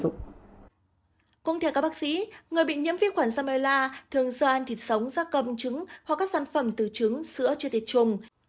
cũng theo các bác sĩ người bị nhiễm viên khuẩn salmonella thường do ăn thịt sống da cơm trứng hoặc các sản phẩm từ trứng sữa trưa thịt chung